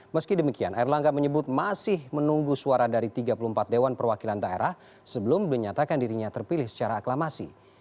meski demikian erlangga menyebut masih menunggu suara dari tiga puluh empat dewan perwakilan daerah sebelum menyatakan dirinya terpilih secara aklamasi